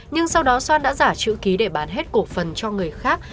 nhưng sau đó xoan đã giả chữ ký để bán hết cổ phần cho người khác